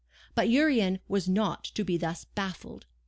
But Urian was not to be thus baffled.